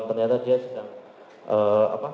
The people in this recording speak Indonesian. ternyata dia sudah